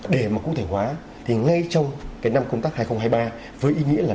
để mà cụ thể hóa thì ngay trong cái năm công tác hai nghìn hai mươi ba với ý nghĩa là